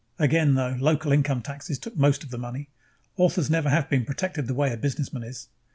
Again, though, local income taxes took most of the money; authors never have been protected the way a businessman is.